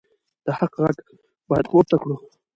د حق غږ باید پورته کړو.